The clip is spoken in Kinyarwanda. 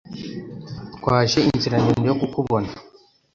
Twaje inzira ndende yo kukubona.